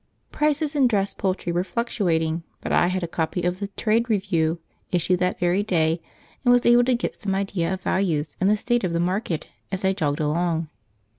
Prices in dressed poultry were fluctuating, but I had a copy of The Trade Review, issued that very day, and was able to get some idea of values and the state of the market as I jogged along.